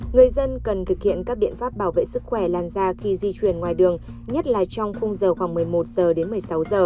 người dân cần thực hiện các biện pháp bảo vệ sức khỏe làn da khi di chuyển ngoài đường nhất là trong khung giờ khoảng một mươi một h đến một mươi sáu h